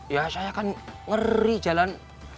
ya saya kan ngeri jalan